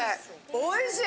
おいしい。